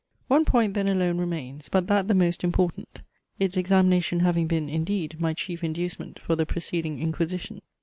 One point then alone remains, but that the most important; its examination having been, indeed, my chief inducement for the preceding inquisition.